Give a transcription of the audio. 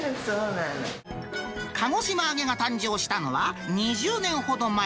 鹿児島揚げが誕生したのは２０年ほど前。